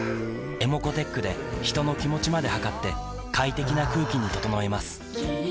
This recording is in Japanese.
ｅｍｏｃｏーｔｅｃｈで人の気持ちまで測って快適な空気に整えます三菱電機